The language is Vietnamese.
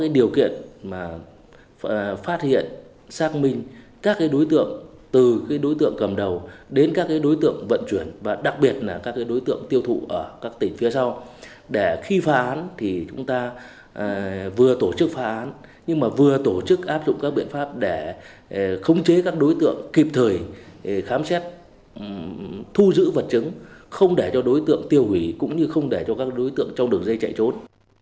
đối tượng vận chuyển và đặc biệt là các đối tượng tiêu thụ ở các tỉnh phía sau để khi phá án thì chúng ta vừa tổ chức phá án nhưng mà vừa tổ chức áp dụng các biện pháp để khống chế các đối tượng kịp thời khám xét thu giữ vật chứng không để cho đối tượng tiêu hủy cũng như không để cho các đối tượng trong đường dây chạy trốn